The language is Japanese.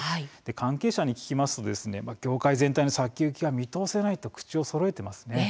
関係者に聞きますと業界全体の先行きが見通せないと口をそろえています。